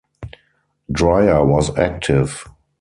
Dreyer was active.